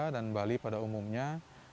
dan bali pada umumnya